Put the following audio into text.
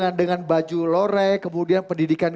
dengan baju lore kemudian pendidikan